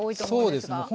そうですね